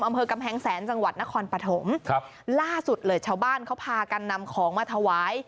อำเภอกำแพงแสนจังหวัดนครปฐมครับล่าสุดเลยชาวบ้านเขาพากันนำของมาถวาย